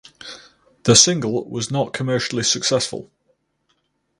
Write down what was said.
The single was not commercially successful.